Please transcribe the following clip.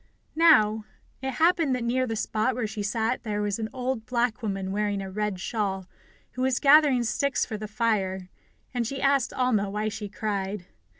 Now, it happened that near the spot where she sat there was an old black woman wearing a red shawl, who was gathering sticks for the fire, and she asked Alma why she cried.